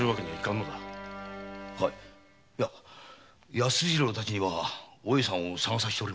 安次郎たちにはお栄さんを捜させております。